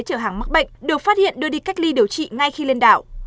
chở hàng mắc bệnh được phát hiện đưa đi cách ly điều trị ngay khi lên đảo